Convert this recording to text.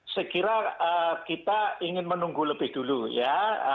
sekiranya kita ingin menunggu lebih dulu ya